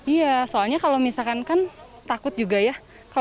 iya soalnya kalau misalkan kan takut juga ya